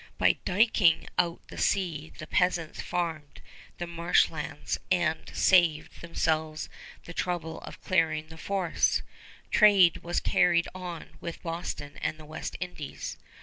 By diking out the sea the peasants farmed the marsh lands and saved themselves the trouble of clearing the forests. Trade was carried on with Boston and the West Indies.